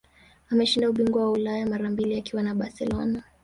Ameshinda ubingwa wa Ulaya mara mbili akiwa na Barcelona